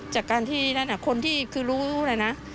จากการที่นั่นคนที่คือรู้เลยนะ